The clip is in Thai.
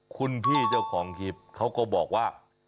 คุณพี่เจ้าของคลิปเขาก็บอกว่า